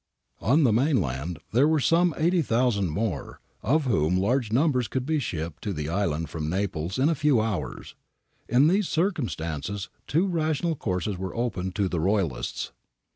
^ On the mainland were some 80,000 more, of whom large numbers could be shipped to the island from Naples in a few hours. In these circumstances two rational courses were open to the Royalists.